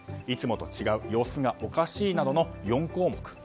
いつもと違う様子がおかしいなどの４項目。